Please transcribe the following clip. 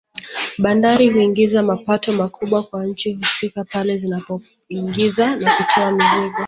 Bandari huingiza mapato makubwa kwa nchi husika pale zinapoingiza na kutoa mizigo